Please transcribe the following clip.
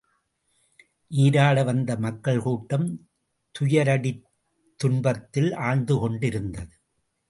நீராட வந்த மக்கள் கூட்டம் துயராடித் துன்பத்தில் ஆழ்ந்து கொண்டிருந்தது.